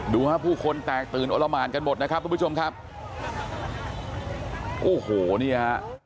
ดูฮะผู้คนแตกตื่นโอละหมานกันหมดนะครับทุกผู้ชมครับโอ้โหเนี่ยฮะ